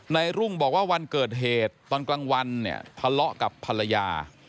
รุ่งบอกว่าวันเกิดเหตุตอนกลางวันเนี่ยทะเลาะกับภรรยา